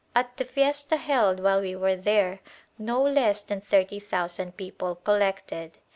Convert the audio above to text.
At the fiesta held while we were there no less than thirty thousand people collected.